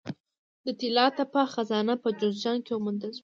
د طلا تپه خزانه په جوزجان کې وموندل شوه